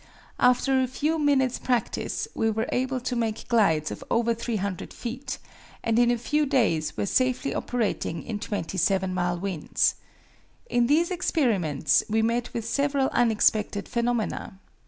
After a few minutes' practice we were able to make glides of over 300 feet, and in a few days were safely operating in 27 mile winds. In these experiments we met with several unexpected phenomena.